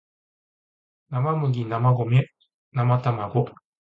生麦生ゴミ生卵